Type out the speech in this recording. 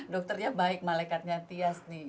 dokternya baik malaikatnya tias